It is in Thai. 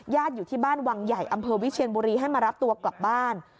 อยู่ที่บ้านวังใหญ่อำเภอวิเชียนบุรีให้มารับตัวกลับบ้าน